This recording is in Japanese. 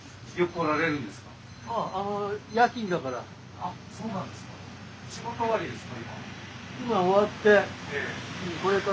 あっそうなんですか。